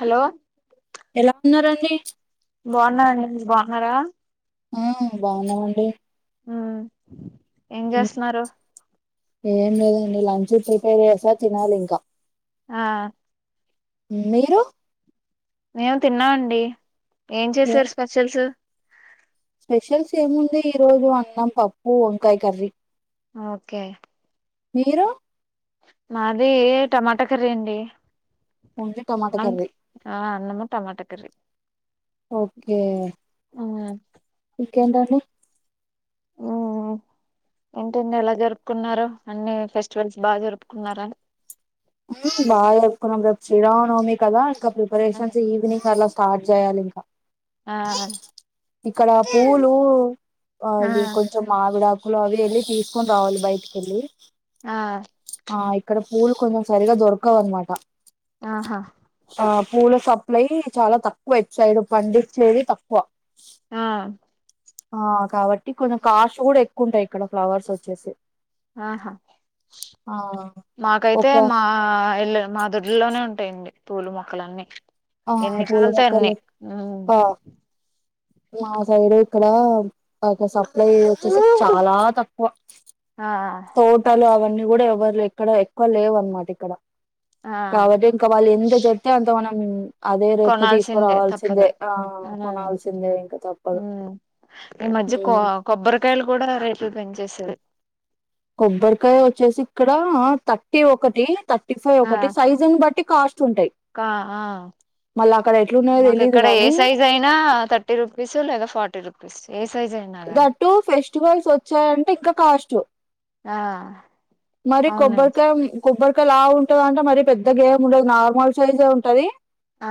Hello ఉన్నారా అండి బాగున్నండి మీరు బాగున్నారా ఆ బాగున్నామండి హ ఏం హ్మ్. చేస్తున్నారు ఏం లేదండి లంచ్ ప్రిపేర్ చేసా తినాలి ఇంకా ఆ మీరు మేము తిన్నాము అండి ఏం చేసారు స్పెషల్స్ స్పెషల్స్ ఏముంది ఈ రోజు అన్నం పప్పు వంకాయ కర్రీ ఓకే మీరు మాది టమాటా కర్రీ అండి ఓన్లీ టమాటా కర్రీ ఆ అన్నము టమాట కర్రీ ఓకే ఉమ్ ఇకేందండి ఉమ్ ఏంటండి ఎలా జరుపుకున్నారు అన్ని ఫెస్టివల్స్ బాగా జరుపుకున్నారా బాగా జరుపుకున్నాం రేపు శ్రీరావనవమి కదా ఇంకా ఆ ప్రిపరేషన్స్ ఈవినింగ్ అలా స్టార్ట్ చేయాలి ఇంకా ఆ హా ఇక్కడ పూలు ఆ అవి కొంచెం మావిడాకులు ఇలా అవి వెళ్ళి తీసుకుని రావాలి బయటికెళ్ళి ఆ ఇక్కడ పూలు కొంచెం సరిగా దొరకవ అనమాట ఆహా ఆ పూల షాప్ ఇటు సైడ్ పూలు చాలా తక్కువ ఇటు సైడ్ పండించేది తక్కువ ఆ ఆ కాబట్టి కొంచెం కాస్ట్ కూడా ఎక్కుఉంటాయి ఇక్కడ ఫ్లవర్స్ వచ్చేసి ఆహా ఆ మాకైతే ఒక మా ఇళ్లలో మా దొడ్లలోనే ఉంటాయండి పూల మొక్కలన్నీ ఆ ఎన్ని పూల కావాలితే అన్ని మొక్కలు ఉమ్ ఆ మా సైడు ఇక్కడ ఒక సప్లై వచ్చేది చాలా తక్కువ ఆ తోటలు అవన్నీ కూడా ఎవరు ఎక్కడ ఎక్కువ లేవు అనమాట ఇక్కడ ఆ కాబట్టి ఇంకా వాళ్ళు ఎంత చెప్తే అంత మన కొనాల్సిందే తప్పదు ఆ కొనాల్సిందే ఇంకా తప్పదు మద్య ఉమ్. కొబ్బరికాయలు కూడా రేట్లు పెంచేసరు కొబ్బరికాయ వచ్చేసి ఇక్కడ థర్టీ ఒకటి థర్టీ ఫైవ్ ఆ ఒకటి సైజ్ ని బట్టి కాస్ట్ ఉంటాయి ఆ మళ్ళీ అక్కడ ఎట్లున్నాయో మాకు తెలీదు ఇక్కడ ఏ గానీ సైజ్ అయినా థర్టీ రుపీస్ లేదా ఫార్టీ రుపీస్ దట్టు ఫెస్టివల్స్ వచ్చాయంటే ఇంకా కాస్ట్ ఆ మరి అవునండి కొబ్బరకాయ కొబ్బరి కాయ లావు ఉంటాదంటే మరి పెద్ద గేమ్ ఉండదు నార్మల్ సైజే ఉంటది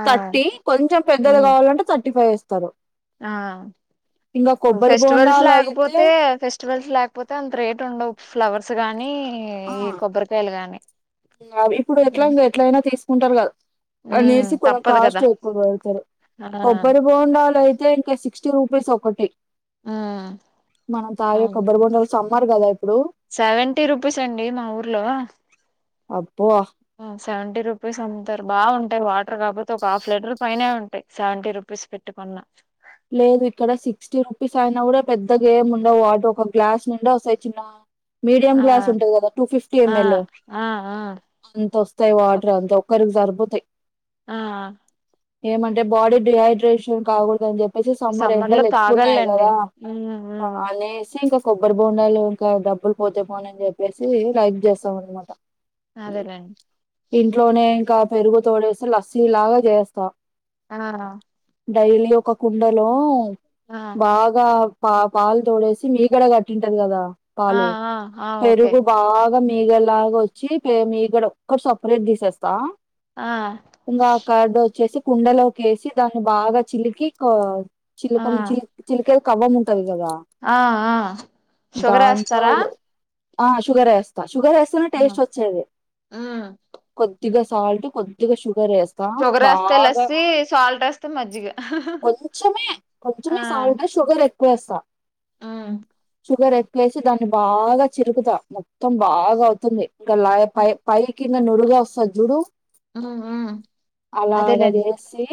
ఆ థర్టీ కొంచెం పెద్దది ఉమ్ కావాలంటే థర్టీ ఫైవ్ ఇస్తరు ఆ కొబ్బరి ఫెస్టివల్స్ బోండాలు అయితే లేకపోతే ఫెస్ట్ పెస్టివల్స్ లేకపోతే అంత రేట్ ఉండవు ఫ్లవర్స్ గానీ ఈ కొబ్బరికాయలు గాని అవి ఇప్పుడు ఉమ్ ఎట్లాగు ఎట్లయినా తీసుకుంటారు కదా ఉమ్, అనేసి కొంచెం తప్పదు కదా కాస్ట్ ఎక్కువ పెడతారు ఆ కొబ్బరి బొండాలు అయితే ఇంకా సిక్స్టీ రూపీస్ ఒకటి ఉమ్ మనం తాగే అవును కొబ్బరు బొండాలు సమ్మరు కదా ఇది సెవెంటీ రూపీస్ అండి మా ఊర్లో అబ్బో హా సెవెంటీ రుపీస్ అమ్ముతారు బాగుంటాయి వాటర్ కాకపోతే ఒక హాఫ్ లీటర్ పైనే ఉంటాయి సెవెంటీ రుపీస్ విడిసి పెట్టు మల్లా లేదు ఇక్కడ సిక్స్టీ రుపీస్ అయినా కూడా పెద్ద గేమ్ ఉండవు వాటి ఒక గ్లాస్ నిండా వస్తాయి చిన్న మీడియం ఆ క్గ్లాస్ ఉంటంది కదా టూ ఫిఫ్టీ ఆ ఎంఎల్ ఆ ఆ అంత వస్తాయి ఓక్ వాటర్ అంతా ఒక్కరికి సరిపోతాయి ఆ ఏమంటే బాడీ డిహైడ్రేషన్ కాకూడదు అని చెప్పేసి ఈ సమ్మర్ లో ఎండలు ఎక్కువ ఉన్నాయి తాగాలండి కదా ఉమ్ ఆ ఉమ్ అనేసి ఇంకా కొబ్బరి బొండాలు ఇంకా డబ్బులు పోతే పోనియ్ అని చెప్పేసి రైక్ చేశాం అనమాట అదేలేండి ఇంట్లోనే ఇంకా పెరుగు తోడేసి లస్సీ లాగా చేస్తా ఆ డైలీ ఒక కుండలో ఆ బాగా పా పాలు తోడేసి మీగడ కట్టింటది కదా ఆ పాలు ఆ ఆ ఓకే పెరుగు బాగా మి మీగలాగ వచ్చి పె మీగడ ఒక్కటి సపరేట్ తీసేస్తా ఆ ఇంకా కార్డు వచ్చేసి కుండలోకెసి దాన్ని బాగా చిలికి కావ్ ఆ చిలకమ్ చి చిలికే కవ్వము ఉన్ టది గదా ఆ ఆ షుగర్ దాంతో వేస్తారా ఆ షుగర్ ఏస్తా షుగర్ ఏస్తెనే టేస్ట్ ఉమ్ వచ్చేది కొద్ద్ ద్దిగా సాల్ట్ కొద్దిగా సు షుగర్ ఏస్తే లస్సి సాల్ట్ ఏస్తే మజ్జిగ కొంచమే కొంచమే సాల్ట్ షుగర్ ఎక్కువేస్తా ఆ షుగర్ ఎక్కువేసి దాన్ని బాగా చిలుకుతా మొత్తం బాగా అవుతుంది ఒకలై పై పై కింద నురుగ వస్తదిచూడు ఉమ్ ఉమ్ అలాగ అదేలేండి చేసి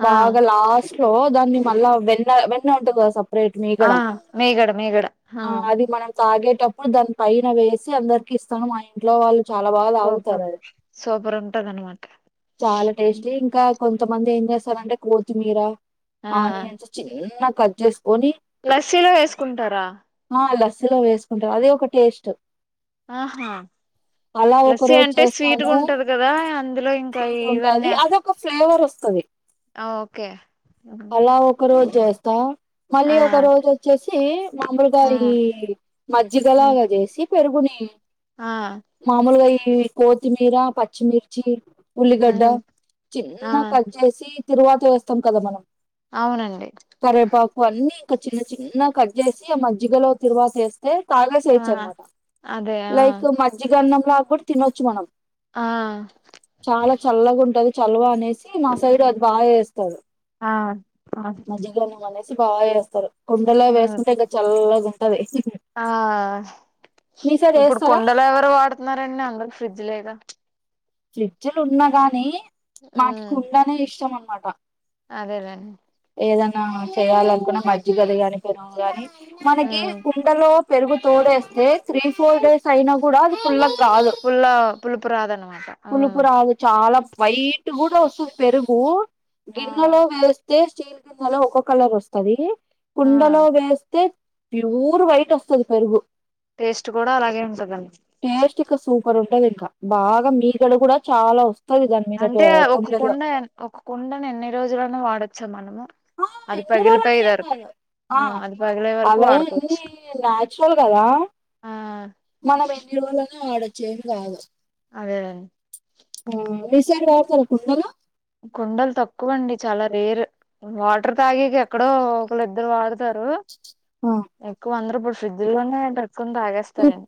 ఆ బాగా లా ఓ దాన్ని మళ్ళా వెన్న వెన్న ఉంటుంది కదా సప్ రేట్ ఆ మీగడ మీగడ మీగడ ఆ అది మనం తాగేటప్పుడు దాని పైన వేసి అందరికి ఇస్తాను మా ఇంట్లో వాళ్ళు చాలా బాగా సూపర్ తాగుతారు అది సూపర్ ఉంటదనమాట చాలా టేస్టీ ఇంకా కొన్ తమంది ఏం చేస్తారంటే కొత్తిమీర ఆ ఆనియన్స్ చిన్న కట్ చేస్ లస్సీలో వేసుకుంటారా ఆ లస్సీలో వేసుకుంటారు అదే ఒక టేస్ట్ ఆహా అలా ఒక లస్సి రోజు అంటే చేస్తాను స్వీట్‌గుంటది కదా అందులో ఇంకా స్వీట్ ఇవన్నీ ఉంటది యెస్ అదొక ఫ్లేవర్ వస్తది ఆ ఓకే ఉమ్. అలా ఒక రోజు చేస్తా మళ్ళీ ఆ ఒక రోజు వచ్చేసి మామూలుగా ఆ ఈ ఉమ్, మజ్జిగలాగా చేసి పెరుగుని ఆ మామూలుగా ఈ కోత్తిమీర పచ్చిమిర్చి ఉల్లిగడ్డ ఉమ్ ఆ చిన్నగా కట్ చేసి తిర్వాత వేస్తాం కదా మనం అవునండి కరేపాకు అన్ని ఇక చిన్న చిన్న కట్ చేసి ఆ మజ్జిగలో తిర్వాత వేస్ తే ఆ తాగేసేయొచ్చు అనమాట అదే ఆ లైక్ మజ్జిగఅన్నం లా కూడా తినొచ్చు మనం. ఆ చాలా చల్లగా ఉంటది చల్లవ అనేసి మా సైడ్ ఉమ్, అది బాగా చేస్ ఆ పా మజ్జిగన్నం అనేసి బాగా చేస్తారు కుండలో వేసుకుంటే ఇంకా చల్లగా ఉంటది. ఆ మీ సైడ్ ఇప్పుడు వేస్తారా కుండలు ఎవరు వాడుతున్నారండి అందరు ఫ్రిడ్జ్ లేగా. ఫ్రిడ్జలు ఉన్నా గాని మాకి కుండనే ఇష్టం అనమాట అదేలేన్ ఏదనా చేయ్యాలనుకున్న మజ్జిగది గాని పెరుగు గాని మనకి ఉమ్ కుండలో పెరుగు తోడేస్తే త్రీ ఫోర్ డేస్ అయినా కూడా అది పుల్లగ్ పుల్ల పులుపురాదను పులుపురాదు చాలా వైట్ కూడా వొస్తుది పెరుగు ఆ గిన్నెలో వేస్తే స్టీల్ గిన్నెలో ఒక్కో కలర్ వస్తాది ఆ కుండలో వేస్తే ప్యూర్ వైట్ వస్తది పెరుగు టేస్ట్ కూడా అలాగే ఉంటదండి టేస్ట్ ఇక సూపర్ ఉంటది ఇంకా బాగా మీగడ కూడా చాలా వస్త్ అంటే ఒక కుండ ఒక కుండను ఎన్ని రోజులైన వాడొచ్చా మనము. ఆ అది ఎన్ని రోజులైనా ఏం పగిలిపోయిదరకు కాదు ఆ అవ్వే అన్ని న్యాచురల్ కదా ఆ మనం ఎన్ని రోజులైన వాడొచ్చు ఏంకాదు అదే చెందవచ కొందరు కుండలు తక్కువ అండి చాలా రేర్ వాటర్ తాగిక ఎక్కడో ఒకళ్ళిద్దరు వాడతారు ఆ ఎక్కువ అందరుప్పుడు ఫ్రిడ్జ లోనేంట కొని తాగేస్తారే ఇప్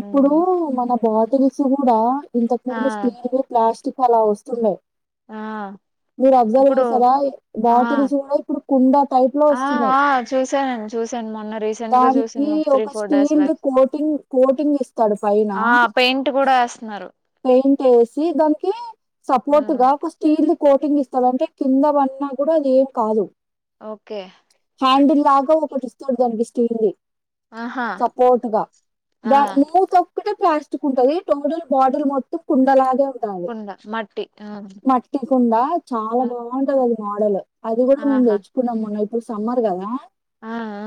ఇప్పుడు ఉమ్ మన బాటిల్స్ కూడా ఆ ఇంతకుందు స్టీల్ ప్లాస్టిక్ అలా వస్తున్నాయి ఆ మీరు అబ్జర్వ్ ఇప్పుడు చేస్తారా ఆ బాటిల్స్ కూడా ఇప్పుడు కుండ టైప్ లో ఆ వస్తున్నాయి ఆ చూసానండి చూసాను మొన్న రీసెంట్ గా దానికి చూసాను త్రీ ఒక four days స్టీల్డ్ back coating coating ఇస్తాడు పైన ఆ పెయింట్ కూడా వేస్తున్నారు పెయింట్ వేసి దానికి ఉమ్. సపోర్ట్గా ఒక స్టీల్ కోటింగ్ ఇస్తాడు అంటే కింద పన్నా కూడా అది ఏం కాదు ఓకే హ్యాండిల్ లాగా ఒకటి ఇస్తుడు దానికి స్టీల్ది ఆహా సపోర్ట్గా ఆ దాని మూతోక్కటే ప్లాస్టిక్ ఉంటుంది టోటల్ బాట్ దాని మొత్తం కుండలగా ఉంటది కుండ మట్టి ఆ మట్టికుండా చాలా ఆ, బాగుంటది అది మోడల్ అది కూడా మేము ఆహా తెచ్చుకున్నాం మోన్న ఇప్పుడు సమ్మర్ కదా ఆ ఆ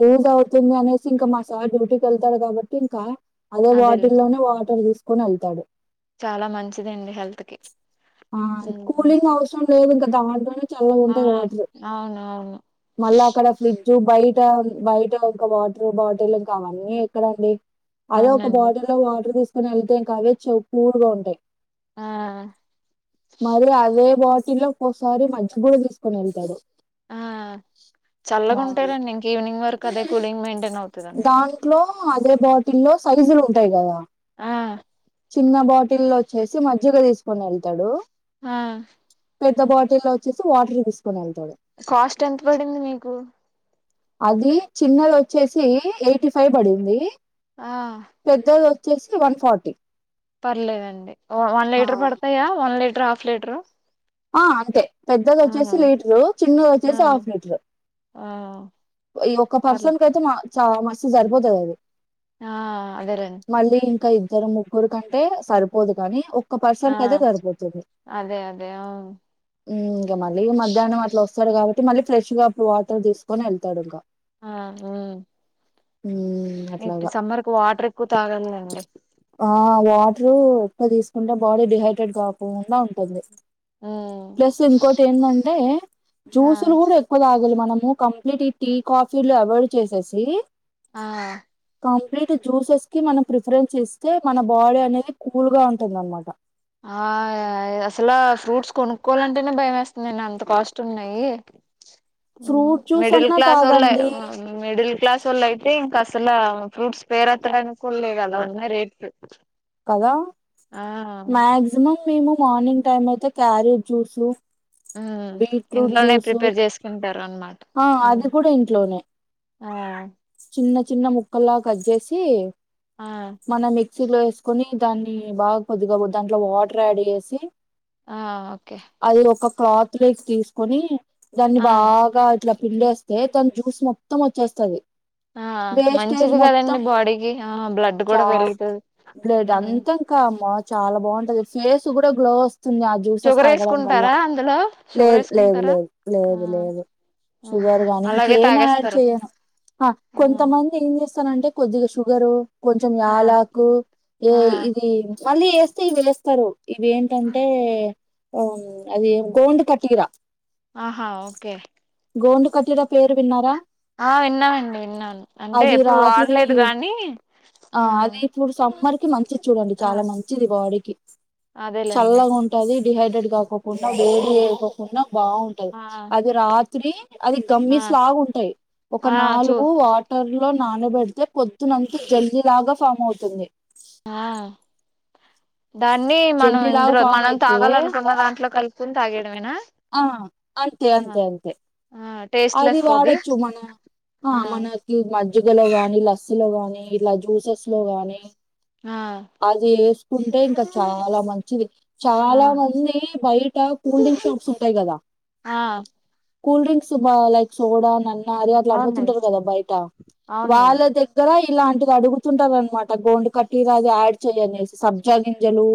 లే తుంది అనేసి ఇంకా మా సార్ డూటీకి వెళ్తాడు కాబట్టి ఇంకా అదే అదేలే బాటిల్లోనే వాటర్ తీసుకొని వెళ్ చాలా మంచిదండి హెల్త్ కి ఆ ఉమ్ కూలింగ్ అవసరం లేదు ఇంకా దాంట్లోనే చల్లగా ఆ ఉంటాయి వాటర్ అవును అవును మళ్ళా అక్కడ ఫ్రిజ్ ఫ్రీజ్ బయట బయట ఒక వాటర్ బాటిల్ ఇంకా అవన్నీ ఎక్కడండి అదే ఒక అవునండి బాటిల్ లో వాటర్ తీసుకొని వెళ్తే ఇంకా అవే చాలా కూల్గా ఉంటాయి ఆ మరి అదే బట్ టిల్లో ఒకసారి మంచి కూడ తీసుకొని వెళ్తాడు ఆ, చల్లగాంటరండి ఇంక ఈవినింగ్ వరకు అదే కూలింగ్ మెయింటైన్ అవుతుంది అనుకుంట ఆ అదే బాటిల్లో సైజులు ఉంటాయి కదా ఆ చిన్న బాటిల్ల్లో వచ్చేసి మజ్జిగ తీసుకుని వెళ్తాడు ఆ పెద్ద బాటిల్లో వచ్చేసి వాటర్ తీస్ కాస్ట్ ఎంత పడింది మీకు అది చిన్నది వచ్చేసి ఎయిటీ ఫైవ్ పడింది ఆ పెద్దది వచ్చేసి వన్ ఫార్టీ పర్లేదండి వన్ లీటర్ ఆ పడతాయా వన్ లీటర్ హాఫ్ లీటరు ఆ అంతే పెద్దది ఆ వచ్చేసి లీటరు చిన్నది ఆ వచ్చేసి హాఫ్ లీటరు ఆ ఈ ఒక్క పర్లే పర్సన్ కయితే మా చ మస్తు సరిపోతాయి అవి ఆ అదేలేండి మళ్ళీ ఇంకా ఇద్దరు ముగ్గురు కంటే సరిపోదు కానీ ఒక పర్సన్ ఆ కి అయితే సరిపోతుంది అదే అదే అవును ఇంకా మళ్ళీ మధ్యాహ్నం అట్ల వస్ వస్తాడు కాబట్ మళ్ళీ ఫ్రెశ్ గా అప్పుడు వాటర్ తీసుకని వెళ్తాడు ఇంకా ఆ ఉమ్ ఉమ్ ఇప్ అట్లాగా సమ్మర్ కు వాటర్ ఎక్కువ తాగాలండి ఆ వాట్ రూ ఎక్కువ తీసుకుంటే బాడీ డిహైడ్రేట్ కాకుకుండా ఉంటుంది హ్మ్. ప్లస్ ఇంకోటి ఏంటంటే ఆ జ్యూసులు కూడా ఎక్కువ తాగలి మనం ఉమ్ కంప్లీట్ ఈ టీ కాఫీలు అవాయిడ్ చేసేసి ఆ కంప్లీట్ జ్యూసెస్ కి మనం ప్రిఫరెన్స్ ఇస్తే మన బాడీ అనేది కూల్ గా ఉంటుందనమాట ఆ అసలు ఫ్రూట్స్ కొనుక్కోవాలంటేనే భయం వేస్తుందండి అంత కాస్ట్ ఉన్నాయి ఉమ్ ఫ్రూట్ జ్యూస్ మిడిల్ అన్నా క్లాస్ వోళ్లే తాగండి ఉమ్ మిడిల్ క్లాస్ వాళ్ళ అయితే ఇంకా అసల ఫ్రూట్స్ పేరెత్తడానికి కూడాలేవ్ అలా ఉన్నాయి రేట్ కదా మాక్సి మ్ మేము మార్నింగ్ టైమ్ అయితే క్యారెట్ జ్యూసు ఉమ్ బీట్రూట్ ఇంట్లోనే జ్యూసు ప్రిపేర్ చేసుకుంటారు అన్నమాట ఆ ఉమ్ అది కూడా ఇంట్లోనే ఆ చిన్న చిన్న ముక్కలా కట్ చేసి ఆ మన మిక్సీలో వేసుకొని దాన్ని బాగా కొద్దిగాబద్దు దాంట్లో వాటర్ యాడ్ చేసి ఆ ఓకే అది ఒక క్లాత్ లోక్ తీసుకొని దాన్ని ఆ బాగా ఇట్లా పిండేస్తే మొత్తం జ్యూస్ మొత్తం వచ్చేస్తుంది ఆ మంచిది కదండి బాడీకి ఆ బ్లడ్ కూడా పెరుగుతుంది లేదు అంతాంకా అమ్మా చాలా బాగుంటది ఫేస్ కూడా గ్లో వస్తుంది వస్తుంది ఆ జ్యూసెస్ షుగర్ తాగడం వల్ల వేసుకుంటారా అందులో షుగర్ లేదు లేదు వేసుకుంటారా లేదు ఆ లేదు లేదు ఆ షుగర్ గానీ అలాగే ఇంకేం యాడ్ తాగేస్తారు చేయను హ ఆ కొంతమంది ఎమ్ చేస్తనంటే కొద్దిగా షుగరు కొంచెం ఆ యాలకు ఏ ఆ ఇది మళ్ళీ చేస్తే ఇవి వేస్తరు ఇవెంటంటే అది గోండు కటిరా ఆహా ఓకే గోండు కట్టడ పేరు విన్నారా ఆ విన్నామండి విన్నాను అంటే అది ఎప్పుడు రాత్రి వాడలేదు కానీ ఆ అది ఇప్పుడు సమ్మర్ కి మంచిది చూడండి ఆ చాలా మంచిది బాడీ అదేలేండి చల్లగా ఉంటది డిహైడ్రేట్ కాకోకుండా వేడి చేేయకోకుండా బాగుంటది ఆ అది రాత్రి అది ఆ గమ్మిస్లాగుంటయి ఒక ఆ చూ నాలుగు వాటర్లు లో నానబెడితే పొద్తునంత జెల్లీ లాగా ఫామ్ అవుతుంది ఆ దాన్ని మనం జల్లి లాగా ఇందులో ఫామ్ మనం అయితే తాగాలనుకున్న దాంట్లో కలిపి కుంతాగేయడమేనా ఆ అంతే అంతే అంతే ఆ టేస్ట్ అది లెస్ వాడొచ్చు మన ఆ మనకి మజ్జిగలో గాని లస్ ని ఇలా జూసస్ లో గాని ఆ అది ఉంటే ఇంకా చాలా మంచిది ఆ చాలా మంది బైట్ కూల్ డ్రింక్ షార్ట్స్ ఉంటాయి కదా ఆ కూల్ డ్రింక్స్ బ లైక్ సోడా న నది అట్లు అమ్ముతుంటారు అవునండి కదా బయట వాళ్ళ అవునండి దగ్గర ఇలాంటిది అడుగుతుంటారు అనమాట గోండు కట్టటీరా అది యాడ్ చేయ్యనేసి సబ్జా గింజలు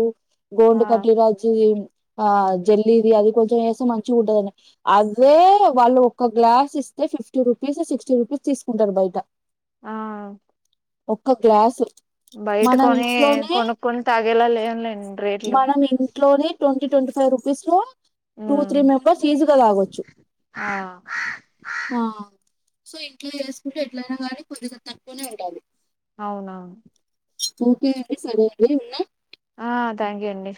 గోండు ఆ కట్లి రాచ్చి ఆ జల్లిది అది కొంచెం వేస్తే మంచిగా ఉంటదండి అదే వాళ్ళు ఒక్క గ్లాస్ ఇస్తే ఫిఫ్టీ రూపీస్ సిక్స్టీ రూపీస్ తీసుకుంటారు బయట ఆ ఒక్క గ్లాసు బయట మనం కొని ఇంట్లోనే కొనుక్కొని తాగేలా లేవులేండి రేట్లు మనం ఇంట్లోనే to twenty five rupees two um three members ఈజీగా తాగొచ్చు ఆ ఆ సో ఇంట్లో చేసుకుంటే ఎట్లయినా కానీ కొద్దిగా తక్కువనే ఉండాలి అవునా ఓకే అండి సరే అండి ఉన్నా ఆ థ్యాంక్ యూ అండి